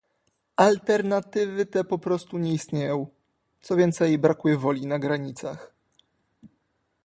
Alternatywy te po prostu nie istnieją, co więcej brakuje woli na granicach